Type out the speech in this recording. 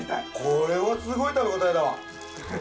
これはすごい食べ応えだわ・